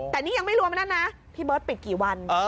แต่นี่ยังไม่รวมนั่นนะพี่เบิร์ตปิดกี่วัน